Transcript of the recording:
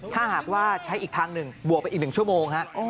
ถ้าหากว่าใช้อีกทางหนึ่งบวกไปอีก๑ชั่วโมง